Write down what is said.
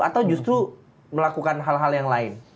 atau justru melakukan hal hal yang lain